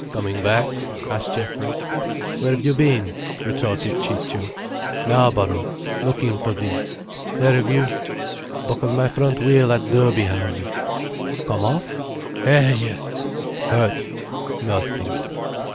"Coming back?" asked Geoffrey. "Where've you been?" retorted Ciccio. "Knarborough—looking for thee. Where have you—?" "Buckled my front wheel at Durbeyhouses." "Come off?" "Hé!" "Hurt?" "Nothing."